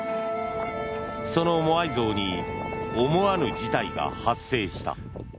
そのモアイ像に思わぬ事態が発生した。